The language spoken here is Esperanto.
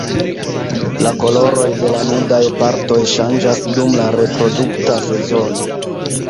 La koloroj de la nudaj partoj ŝanĝas dum la reprodukta sezono.